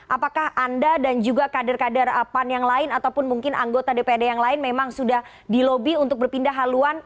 apakah anda dan juga kader kader pan yang lain ataupun mungkin anggota dpd yang lain memang sudah dilobi untuk berpindah haluan